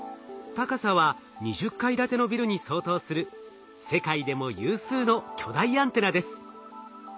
高さは２０階建てのビルに相当する世界でも有数の巨大アンテナです。